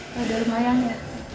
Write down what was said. udah lumayan ya